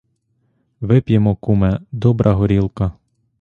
Вип'ємо, куме, добра горілка!